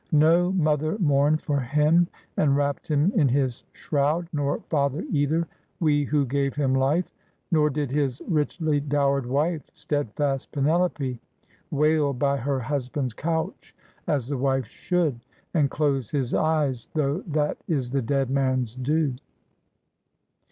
No mother mourned for him and wrapped him in his shroud, nor father either, — we who gave him life! Nor did his richly dowered wife, steadfast Penelope, wail by her hus band's couch, as the wife should, and close his eyes, though that is the dead man's due.